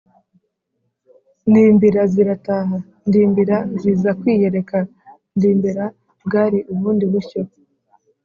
. Ndimbira zirataha: Ndimbira ziza kwiyereka. Ndimbira bwari ubundi bushyo